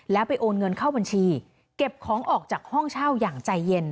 แล้วไปโอนเงินเข้าบัญชีเก็บของออกจากห้องเช่าอย่างใจเย็น